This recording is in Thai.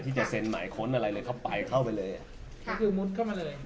ที่จะเซ็นหมายค้นอะไรเลยเข้าไปเข้าไปเลยก็คือมุดเข้ามาเลย